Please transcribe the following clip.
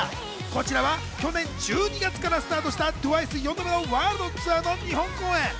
こちらは去年１２月からスタートしたＴＷＩＣＥ４度目のワールドツアーの日本公演。